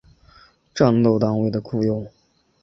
战斗单位的雇用。